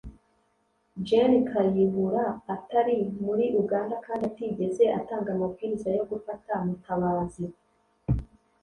Gen kayihura atari muri Uganda kandi atigeze atanga amabwiriza yo gufata Mutabazi